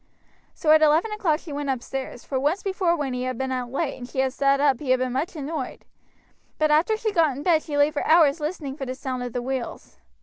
So at eleven o'clock she went upstairs, for once before when he had been out late and she had sat up he had been much annoyed; but after she got in bed she lay for hours listening for the sound of the wheels.